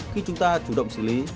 khi chúng ta chủ động xử lý